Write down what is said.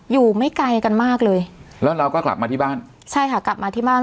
อยู่ไม่ไกลกันมากเลยแล้วเราก็กลับมาที่บ้านใช่ค่ะกลับมาที่บ้าน